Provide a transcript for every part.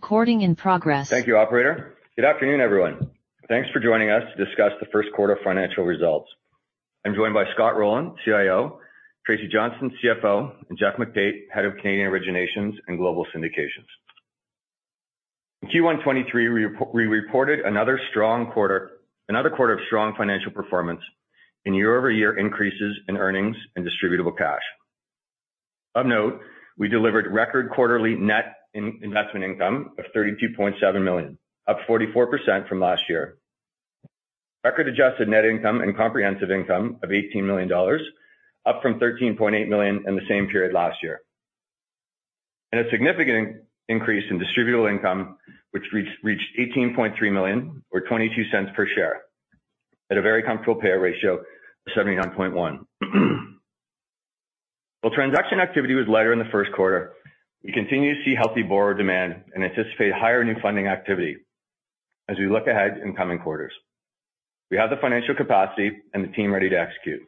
Recording in progress. Thank you, operator. Good afternoon, everyone. Thanks for joining us to discuss the first quarter financial results. I'm joined by Scott Rowland, CIO, Tracy Johnston, CFO, and Geoff McTait, Head of Canadian Originations and Global Syndications. In Q1 2023, we reported another quarter of strong financial performance in year-over-year increases in earnings and distributable cash. Of note, we delivered record quarterly net investment income of 32.7 million, up 44% from last year. Record adjusted net income and comprehensive income of 18 million dollars, up from 13.8 million in the same period last year. A significant increase in distributable income, which reached 18.3 million or 0.22 per share at a very comfortable payout ratio of 79.1%. While transaction activity was lighter in the first quarter, we continue to see healthy borrower demand and anticipate higher new funding activity as we look ahead in coming quarters. We have the financial capacity and the team ready to execute.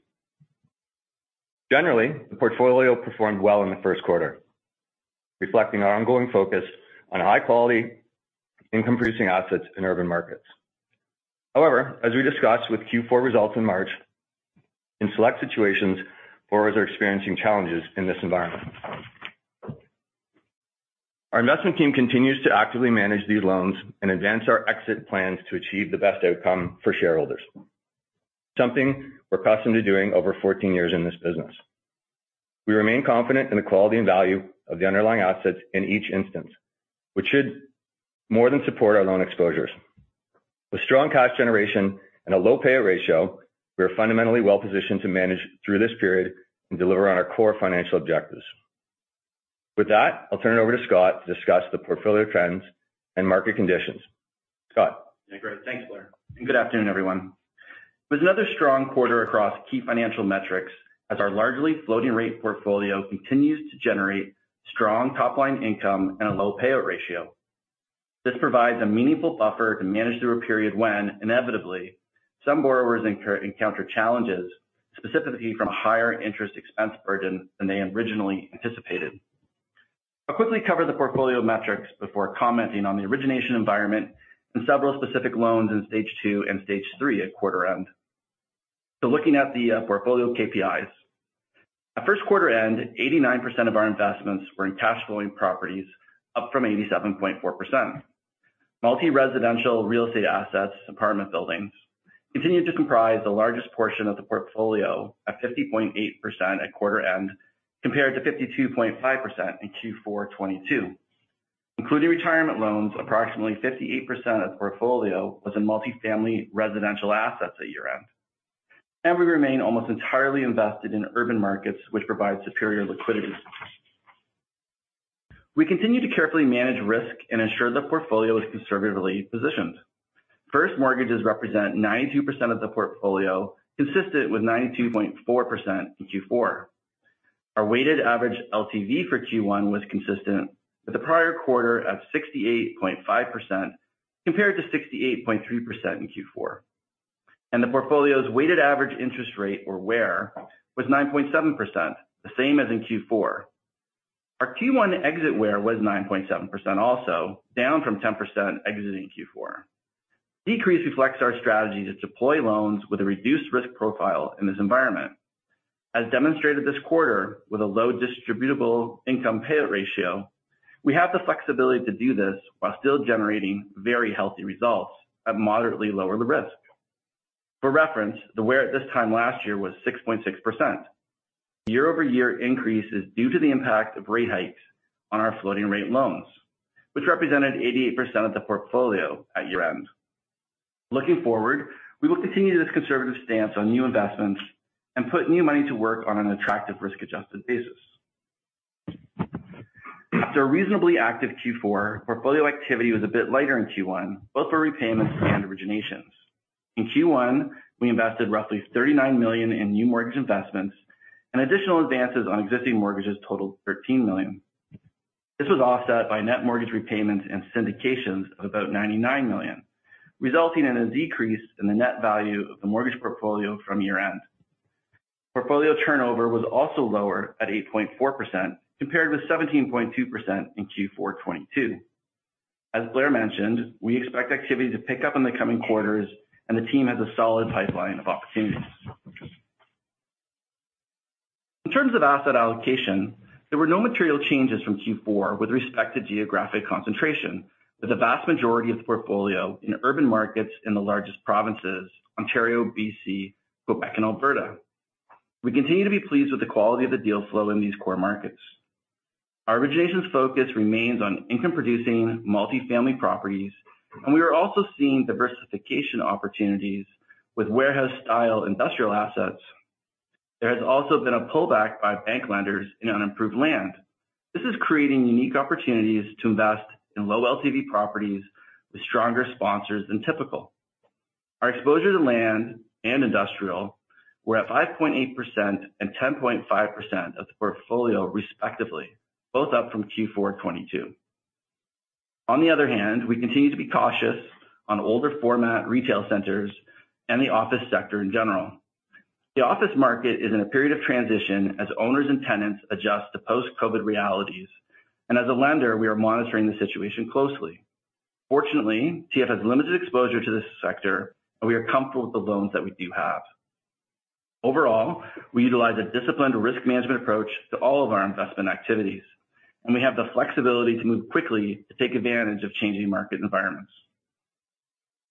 Generally, the portfolio performed well in the first quarter, reflecting our ongoing focus on high quality income-producing assets in urban markets. However, as we discussed with Q4 results in March, in select situations, borrowers are experiencing challenges in this environment. Our investment team continues to actively manage these loans and advance our exit plans to achieve the best outcome for shareholders, something we're accustomed to doing over 14 years in this business. We remain confident in the quality and value of the underlying assets in each instance, which should more than support our loan exposures. With strong cash generation and a low payout ratio, we are fundamentally well-positioned to manage through this period and deliver on our core financial objectives. With that, I'll turn it over to Scott to discuss the portfolio trends and market conditions. Scott. Yeah. Great. Thanks, Blair. Good afternoon, everyone. It was another strong quarter across key financial metrics as our largely floating rate portfolio continues to generate strong top-line income and a low payout ratio. This provides a meaningful buffer to manage through a period when, inevitably, some borrowers encounter challenges, specifically from a higher interest expense burden than they originally anticipated. I'll quickly cover the portfolio metrics before commenting on the origination environment and several specific loans in Stage two and Stage three at quarter end. Looking at the portfolio KPIs. At first quarter end, 89% of our investments were in cash flowing properties, up from 87.4%. Multi-residential real estate assets, apartment buildings, continued to comprise the largest portion of the portfolio at 50.8% at quarter end, compared to 52.5% in Q4 2022. Including retirement loans, approximately 58% of the portfolio was in multifamily residential assets at year-end. We remain almost entirely invested in urban markets, which provide superior liquidity. We continue to carefully manage risk and ensure the portfolio is conservatively positioned. First, mortgages represent 92% of the portfolio, consistent with 92.4% in Q4. Our weighted average LTV for Q1 was consistent with the prior quarter of 68.5% compared to 68.3% in Q4. The portfolio's weighted average interest rate or WAIR was 9.7%, the same as in Q4. Our Q1 exit WAIR was 9.7% also, down from 10% exiting Q4. Decrease reflects our strategy to deploy loans with a reduced risk profile in this environment. As demonstrated this quarter with a low distributable income payout ratio, we have the flexibility to do this while still generating very healthy results at moderately lower the risk. For reference, the WAIR at this time last year was 6.6%. Year-over-year increase is due to the impact of rate hikes on our floating rate loans, which represented 88% of the portfolio at year-end. Looking forward, we will continue this conservative stance on new investments and put new money to work on an attractive risk-adjusted basis. After a reasonably active Q4, portfolio activity was a bit lighter in Q1, both for repayments and originations. In Q1, we invested roughly 39 million in new mortgage investments and additional advances on existing mortgages totaled 13 million. This was offset by net mortgage repayments and syndications of about 99 million, resulting in a decrease in the net value of the mortgage portfolio from year end. Portfolio turnover was also lower at 8.4%, compared with 17.2% in Q4 2022. As Blair mentioned, we expect activity to pick up in the coming quarters and the team has a solid pipeline of opportunities. In terms of asset allocation, there were no material changes from Q4 with respect to geographic concentration, with the vast majority of the portfolio in urban markets in the largest provinces, Ontario, B.C., Quebec, and Alberta. We continue to be pleased with the quality of the deal flow in these core markets. Our originations focus remains on income-producing multifamily properties, and we are also seeing diversification opportunities with warehouse-style industrial assets. There has also been a pullback by bank lenders in unimproved land. This is creating unique opportunities to invest in low LTV properties with stronger sponsors than typical. Our exposure to land and industrial were at 5.8% and 10.5% of the portfolio respectively, both up from Q4 2022. On the other hand, we continue to be cautious on older format retail centers and the office sector in general. The office market is in a period of transition as owners and tenants adjust to post-COVID realities. As a lender, we are monitoring the situation closely. Fortunately, TF has limited exposure to this sector, and we are comfortable with the loans that we do have. Overall, we utilize a disciplined risk management approach to all of our investment activities, and we have the flexibility to move quickly to take advantage of changing market environments.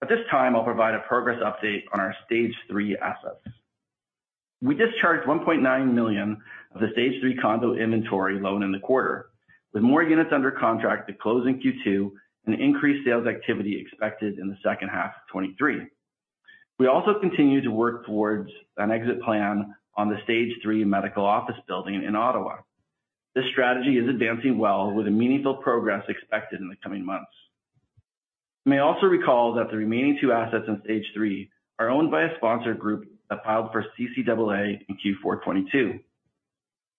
At this time, I'll provide a progress update on our Stage three assets. We discharged 1.9 million of the Stage three condo inventory loan in the quarter, with more units under contract to close in Q2 and increased sales activity expected in the second half of 2023. We also continue to work towards an exit plan on the Stage three medical office building in Ottawa. This strategy is advancing well with a meaningful progress expected in the coming months. You may also recall that the remaining two assets in Stage three are owned by a sponsor group that filed for CCAA in Q4 2022.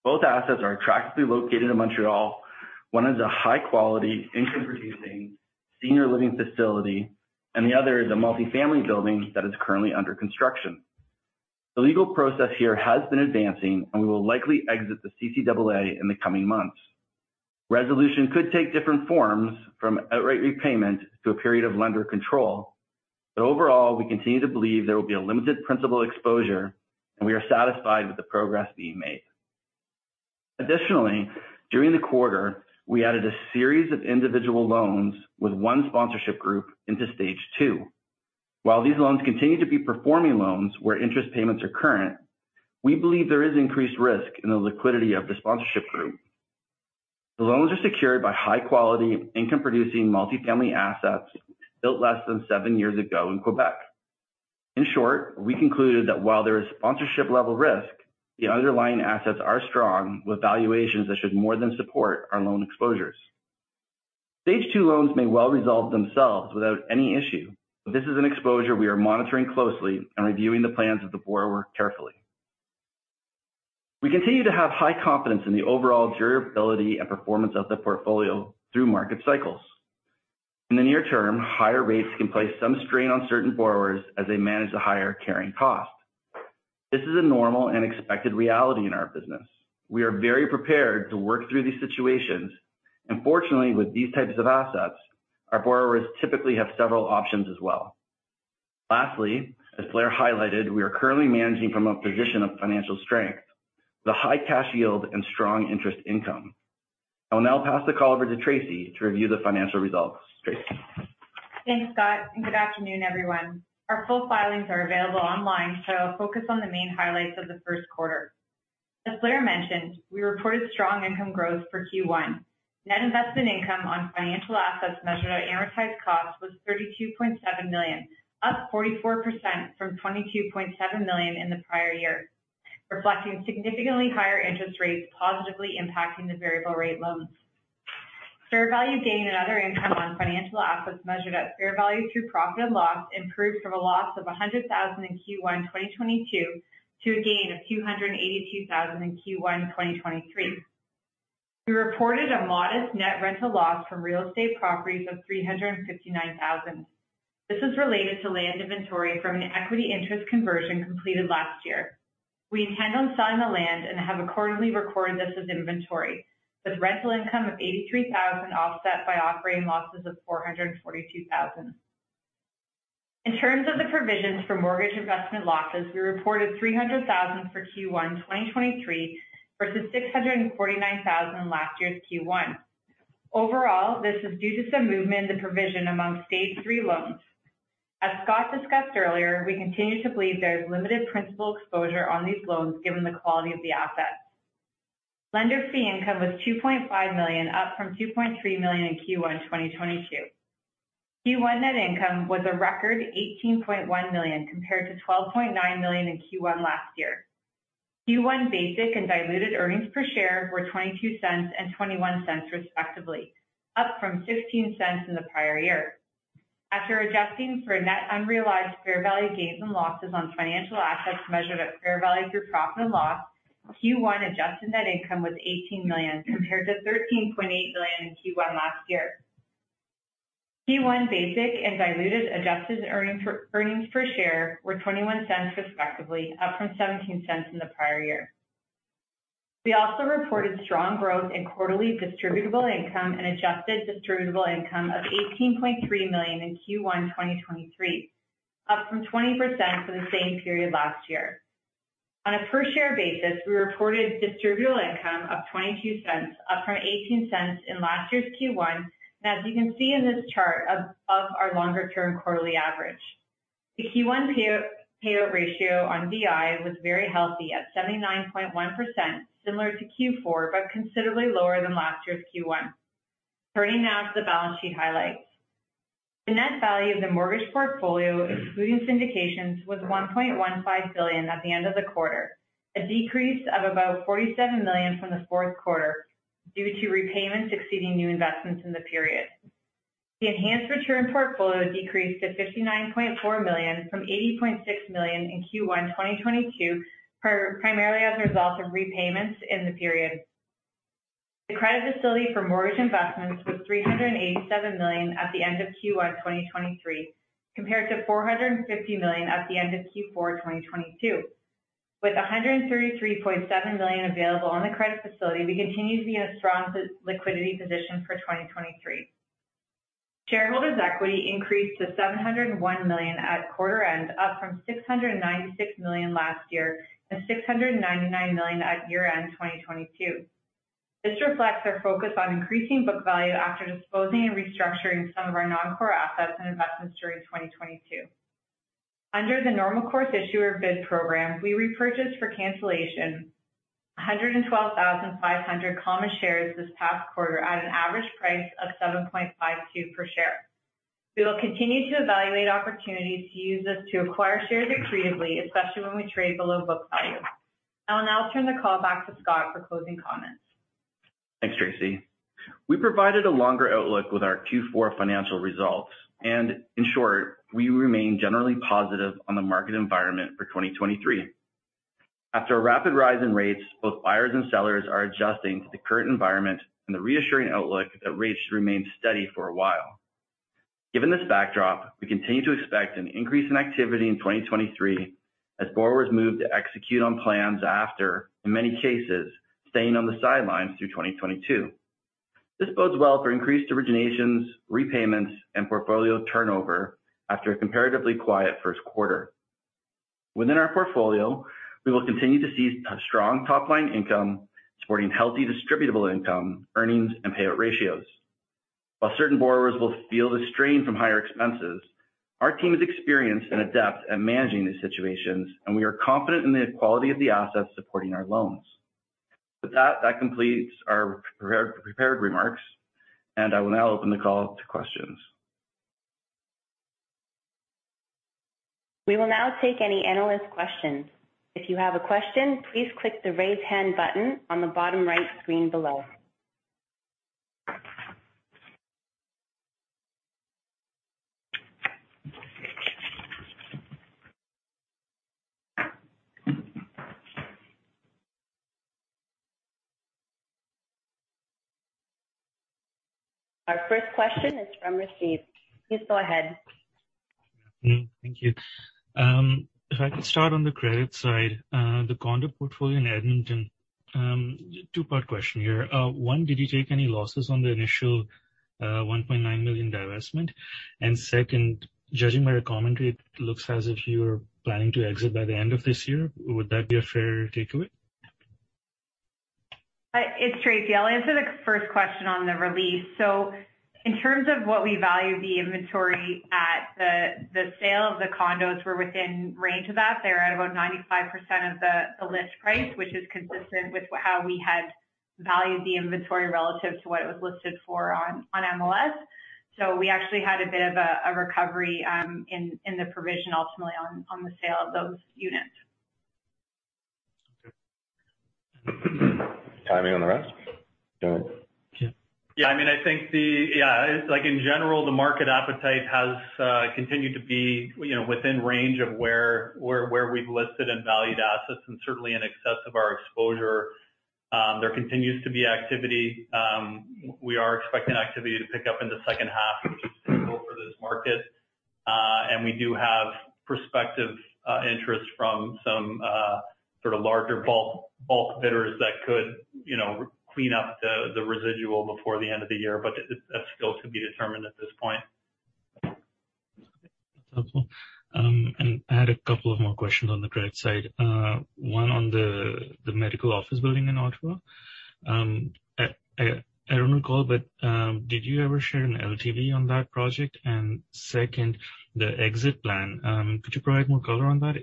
Both assets are attractively located in Montreal. One is a high-quality income-producing senior living facility, and the other is a multifamily building that is currently under construction. The legal process here has been advancing, and we will likely exit the CCAA in the coming months. Resolution could take different forms, from outright repayment to a period of lender control. Overall, we continue to believe there will be a limited principal exposure, and we are satisfied with the progress being made. Additionally, during the quarter, we added a series of individual loans with one sponsorship group into Stage two. While these loans continue to be performing loans where interest payments are current, we believe there is increased risk in the liquidity of the sponsorship group. The loans are secured by high-quality income-producing multifamily assets built less than seven years ago in Quebec. In short, we concluded that while there is sponsorship-level risk, the underlying assets are strong, with valuations that should more than support our loan exposures. Stage two loans may well resolve themselves without any issue, but this is an exposure we are monitoring closely and reviewing the plans of the borrower carefully. We continue to have high confidence in the overall durability and performance of the portfolio through market cycles. In the near term, higher rates can place some strain on certain borrowers as they manage the higher carrying cost. This is a normal and expected reality in our business. We are very prepared to work through these situations, and fortunately, with these types of assets, our borrowers typically have several options as well. Lastly, as Blair highlighted, we are currently managing from a position of financial strength, with a high cash yield and strong interest income. I will now pass the call over to Tracy to review the financial results. Tracy? Thanks, Scott, and good afternoon, everyone. Our full filings are available online, so I'll focus on the main highlights of the first quarter. As Blair mentioned, we reported strong income growth for Q1. Net investment income on financial assets measured at amortized cost was 32.7 million, up 44% from 22.7 million in the prior year, reflecting significantly higher interest rates positively impacting the variable rate loans. Fair value gain and other income on financial assets measured at fair value through profit and loss improved from a loss of 100,000 in Q1 2022 to a gain of 282,000 in Q1 2023. We reported a modest net rental loss from real estate properties of 359,000. This is related to land inventory from an equity interest conversion completed last year. We intend on selling the land and have accordingly recorded this as inventory, with rental income of 83,000 offset by operating losses of 442,000. In terms of the provisions for mortgage investment losses, we reported 300,000 for Q1 2023 versus 649,000 in last year's Q1. Overall, this is due to some movement in the provision among Stage three loans. As Scott discussed earlier, we continue to believe there is limited principal exposure on these loans given the quality of the assets. Lender fee income was 2.5 million, up from 2.3 million in Q1 2022. Q1 net income was a record 18.1 million compared to 12.9 million in Q1 last year. Q1 basic and diluted earnings per share were 0.22 and 0.21 respectively, up from 0.15 in the prior year. After adjusting for net unrealized fair value gains and losses on financial assets measured at fair value through profit and loss, Q1 adjusted net income was 18 million compared to 13.8 million in Q1 last year. Q1 basic and diluted adjusted earnings per share were 0.21 respectively, up from 0.17 in the prior year. We also reported strong growth in quarterly distributable income and adjusted distributable income of 18.3 million in Q1 2023, up from 20% for the same period last year. On a per-share basis, we reported distributable income of 0.22, up from 0.18 in last year's Q1. As you can see in this chart, above our longer-term quarterly average. The Q1 payout ratio on DI was very healthy at 79.1%, similar to Q4, but considerably lower than last year's Q1. Turning now to the balance sheet highlights. The net value of the mortgage portfolio, excluding syndications, was 1.15 billion at the end of the quarter, a decrease of about 47 million from the fourth quarter due to repayments exceeding new investments in the period. The enhanced return portfolio decreased to 59.4 million from 80.6 million in Q1 2022, primarily as a result of repayments in the period. The credit facility for mortgage investments was CAD 387 million at the end of Q1 2023, compared to CAD 450 million at the end of Q4 2022. With CAD 133.7 million available on the credit facility, we continue to be in a strong liquidity position for 2023. Shareholders equity increased to CAD 701 million at quarter end, up from CAD 696 million last year and CAD 699 million at year-end, 2022. This reflects our focus on increasing book value after disposing and restructuring some of our non-core assets and investments during 2022. Under the normal course issuer bid program, we repurchased for cancellation 112,500 common shares this past quarter at an average price of 7.52 per share. We will continue to evaluate opportunities to use this to acquire shares accretively, especially when we trade below book value. I will now turn the call back to Scott for closing comments. Thanks, Tracy. In short, we remain generally positive on the market environment for 2023. After a rapid rise in rates, both buyers and sellers are adjusting to the current environment and the reassuring outlook that rates remain steady for a while. Given this backdrop, we continue to expect an increase in activity in 2023 as borrowers move to execute on plans after, in many cases, staying on the sidelines through 2022. This bodes well for increased originations, repayments, and portfolio turnover after a comparatively quiet first quarter. Within our portfolio, we will continue to see a strong top-line income supporting healthy distributable income, earnings, and payout ratios. While certain borrowers will feel the strain from higher expenses, our team is experienced and adept at managing these situations, and we are confident in the quality of the assets supporting our loans. With that completes our pre-prepared remarks, and I will now open the call to questions. We will now take any analyst questions. If you have a question, please click the Raise Hand button on the bottom right screen below. Our first question is from Rasheed. Please go ahead. Thank you. If I could start on the credit side, the condo portfolio in Edmonton. Two-part question here. One, did you take any losses on the initial 1.9 million divestment? Second, judging by your commentary, it looks as if you're planning to exit by the end of this year. Would that be a fair takeaway? It's Tracy. I'll answer the first question on the release. In terms of what we value the inventory at the sale of the condos were within range of that. They were at about 95% of the list price, which is consistent with how we had valued the inventory relative to what it was listed for on MLS. We actually had a bit of a recovery in the provision ultimately on the sale of those units. Timing on the rest. Go on. Yeah. I mean, I think yeah, it's like in general, the market appetite has continued to be, you know, within range of where we've listed and valued assets and certainly in excess of our exposure. There continues to be activity. We are expecting activity to pick up in the second half, which is typical for this market. We do have prospective interest from some sort of larger bulk bidders that could, you know, clean up the residual before the end of the year. That still to be determined at this point. That's helpful. I had a couple of more questions on the credit side. One on the medical office building in Ottawa. I don't recall, but did you ever share an LTV on that project? Second, the exit plan, could you provide more color on that?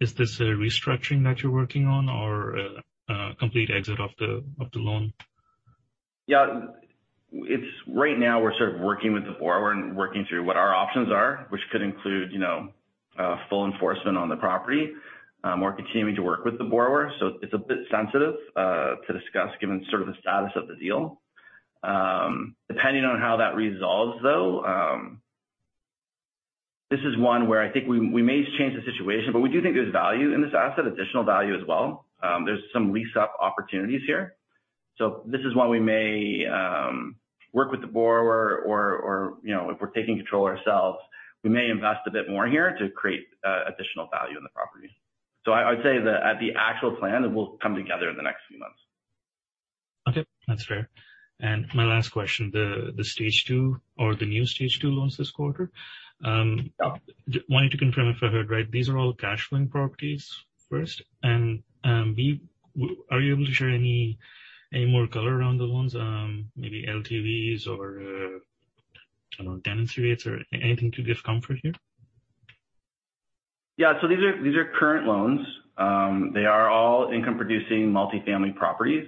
Is this a restructuring that you're working on or a complete exit of the loan? Right now we're sort of working with the borrower and working through what our options are, which could include, you know, full enforcement on the property, or continuing to work with the borrower. It's a bit sensitive to discuss given sort of the status of the deal. Depending on how that resolves, though, this is one where I think we may change the situation, but we do think there's value in this asset, additional value as well. There's some lease-up opportunities here. This is why we may work with the borrower or, you know, if we're taking control ourselves, we may invest a bit more here to create additional value in the property. I'd say that at the actual plan, it will come together in the next few months. Okay, that's fair. My last question, the Stage two or the new Stage two loans this quarter? Yeah. Wanted to confirm if I heard right. These are all cash flowing properties first. Are you able to share any more color around the loans, maybe LTVs or I don't know, tenancy rates or anything to give comfort here? Yeah. These are current loans. They are all income-producing multifamily properties.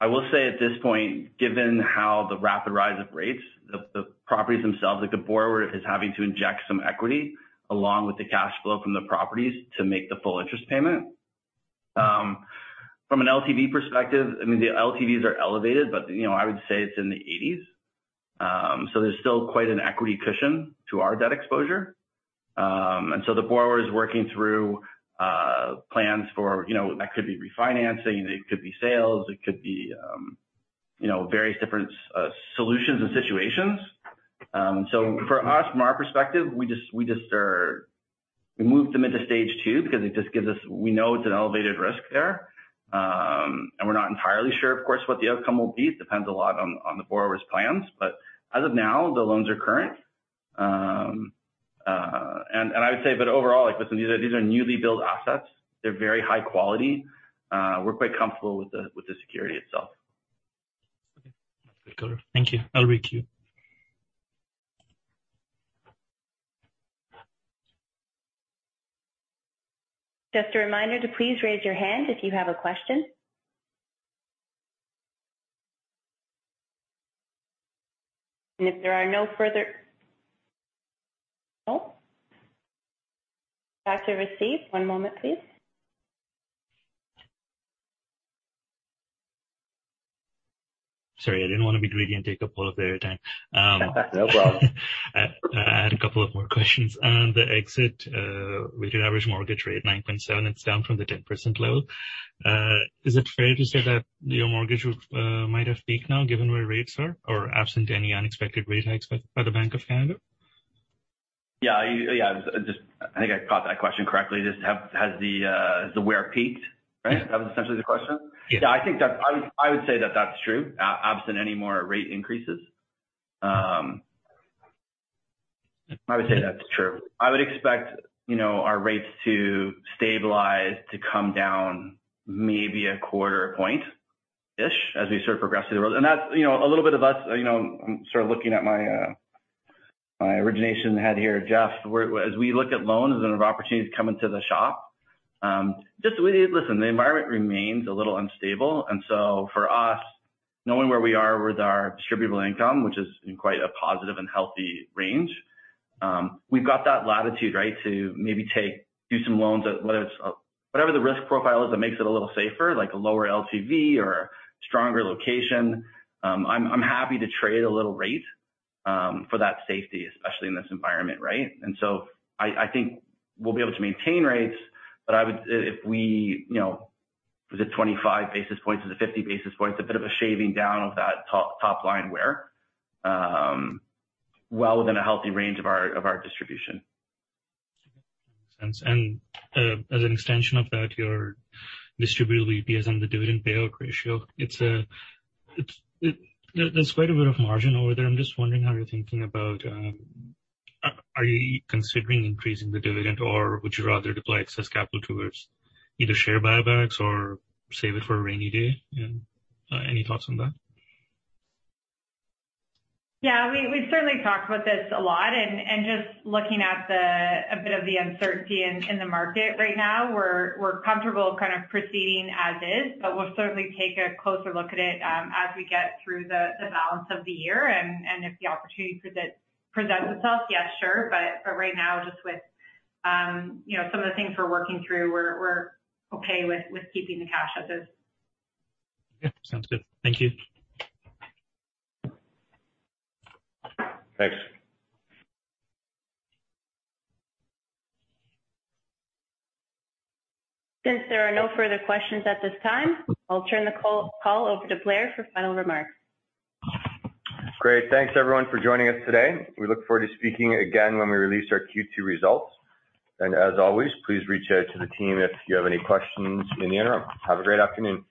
I will say at this point, given how the rapid rise of rates, the properties themselves, like the borrower is having to inject some equity along with the cash flow from the properties to make the full interest payment. From an LTV perspective, I mean, the LTVs are elevated, but, you know, I would say it's in the 80s. There's still quite an equity cushion to our debt exposure. The borrower is working through plans for, you know, that could be refinancing, it could be sales, it could be, you know, various different solutions and situations. For us, from our perspective, we just moved them into Stage two because it just gives us, we know it's an elevated risk there. We're not entirely sure, of course, what the outcome will be. It depends a lot on the borrower's plans. As of now, the loans are current. I would say overall, like, listen, these are newly built assets. They're very high quality. We're quite comfortable with the security itself. Okay. That's good. Thank you. I'll queue. Just a reminder to please raise your hand if you have a question. No. Back to Rasheed. One moment, please. Sorry, I didn't want to be greedy and take up all of their time. No problem. I had a couple of more questions. On the exit, with your average mortgage rate, 9.7, it's down from the 10% low. Is it fair to say that your mortgage rate might have peaked now given where rates are or absent any unexpected rate hikes by the Bank of Canada? Yeah. Yeah. I think I caught that question correctly. Has the WAIR peaked, right? Yeah. That was essentially the question. Yeah. I think I would say that that's true, absent any more rate increases. I would say that's true. I would expect, you know, our rates to stabilize to come down maybe a quarter point-ish as we sort of progress through the world. That's, you know, a little bit of us, you know, sort of looking at my origination head here, Geoff, where as we look at loans and opportunities coming to the shop, listen, the environment remains a little unstable. For us, knowing where we are with our distributable income, which is in quite a positive and healthy range, we've got that latitude, right, to maybe do some loans, whether it's whatever the risk profile is that makes it a little safer, like a lower LTV or a stronger location. I'm happy to trade a little rate for that safety, especially in this environment, right? So I think we'll be able to maintain rates. If we, you know, is it 25 basis points? Is it 50 basis points? A bit of a shaving down of that top line where, well within a healthy range of our distribution. Makes sense. As an extension of that, your distributable EPS on the dividend payout ratio, there's quite a bit of margin over there. I'm just wondering how you're thinking about, are you considering increasing the dividend, or would you rather deploy excess capital towards either share buybacks or save it for a rainy day? Any thoughts on that? Yeah. We, we certainly talk about this a lot. Just looking at the a bit of the uncertainty in the market right now, we're comfortable kind of proceeding as is. We'll certainly take a closer look at it, as we get through the balance of the year. If the opportunity presents itself, yeah, sure. Right now, just with, you know, some of the things we're working through, we're okay with keeping the cash as is. Yeah. Sounds good. Thank you. Thanks. Since there are no further questions at this time, I'll turn the call over to Blair for final remarks. Great. Thanks everyone for joining us today. We look forward to speaking again when we release our Q2 results. As always, please reach out to the team if you have any questions in the interim. Have a great afternoon.